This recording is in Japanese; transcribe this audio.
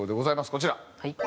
こちら。